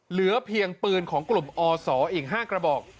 เหลือเพียงปืนของกลุ่มอศอีก๕กระบอก